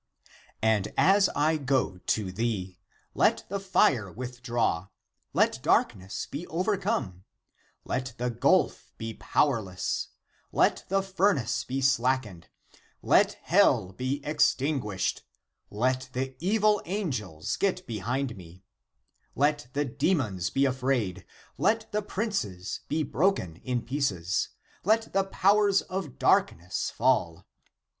"And as I go to thee, let the fire with draw ; let darkness be overcome ; let the gulf be pow erless ; let the furnace be slackened ; let hell be extin guished, let the (evil) angels get behind me; let the demons be afraid ; let the princes be broken in pieces ; let the powers (of darkness) fall.